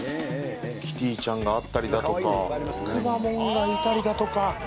キティちゃんがあったりだとかくまモンがいたりだとか。